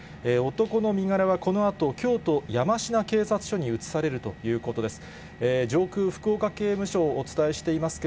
男の身柄はこのあと、京都山科警察署に移されるということです。